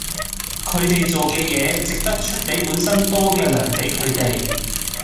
佢地做既野值得岀比本身多既糧比佢地